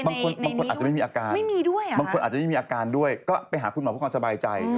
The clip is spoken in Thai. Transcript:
บางคนอาจจะไม่มีอาการบางคนอาจจะไม่มีอาการด้วยก็ไปหาคุณหมอเพื่อความสบายใจ